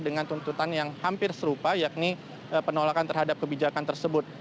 dengan tuntutan yang hampir serupa yakni penolakan terhadap kebijakan tersebut